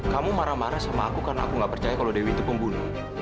kamu marah marah sama aku karena aku nggak percaya kalau dewi itu pembunuh